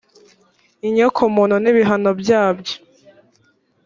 inyokomuntu n ibihano byabyo